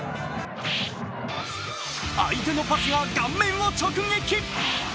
相手のパスが顔面を直撃。